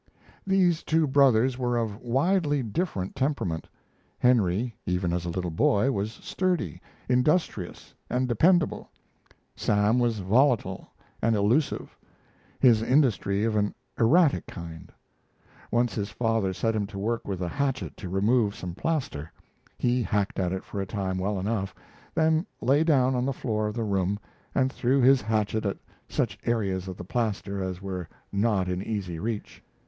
These two brothers were of widely different temperament. Henry, even as a little boy, was sturdy, industrious, and dependable. Sam was volatile and elusive; his industry of an erratic kind. Once his father set him to work with a hatchet to remove some plaster. He hacked at it for a time well enough, then lay down on the floor of the room and threw his hatchet at such areas of the plaster as were not in easy reach.